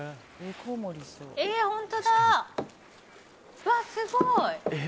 うわ、すごい！